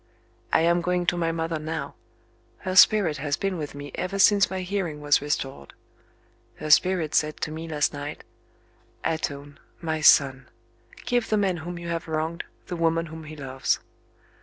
I am going to my mother now: her spirit has been with me ever since my hearing was restored; her spirit said to me last night: "Atone, my son! Give the man whom you have wronged, the woman whom he loves."